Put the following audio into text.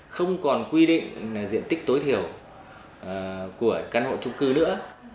không còn quy định diện tích tối thiểu của căn hộ trung cư nữa